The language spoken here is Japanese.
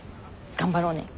頑張ろうね。